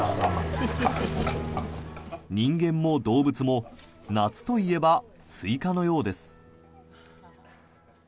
人間も動物も夏といえばスイカのようです。